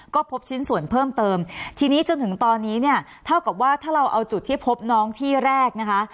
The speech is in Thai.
ก็พบชิ้นส่วนเพิ่มเติมทีนี้จนถึงตอนนี้เนี่ยเท่ากับว่าถ้าเราเอาจุดที่พบน้องที่แรกนะคะ